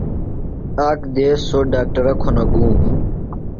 آک دیس سوۡ ڈاکٹرہ کُھنہ گُوم۔